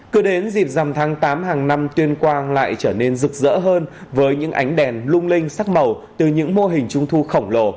cứ đến dịp dằm tháng tám hàng năm tuyên quang lại trở nên rực rỡ hơn với những ánh đèn lung linh sắc màu từ những mô hình trung thu khổng lồ